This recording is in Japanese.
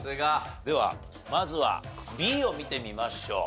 ではまずはＢを見てみましょう。